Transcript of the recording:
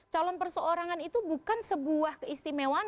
calon perseorangan itu bukan sebuah keistimewaan